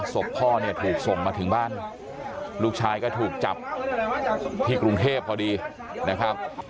ศพพ่อเนี่ยถูกส่งมาถึงบ้านลูกชายก็ถูกจับที่กรุงเทพพอดีนะครับ